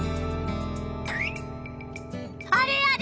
あれあれ？